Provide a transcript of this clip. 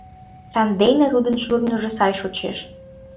Сандене тудын шурныжо сай шочеш.